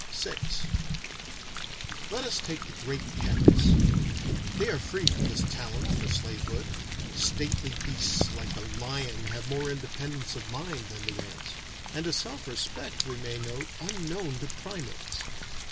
VI Let us take the great cats. They are free from this talent for slave hood. Stately beasts like the lion have more independence of mind than the ants, and a self respect, we may note, unknown to primates.